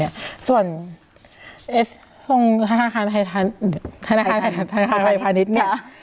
ในส่วนทานการไทยพาณิชย์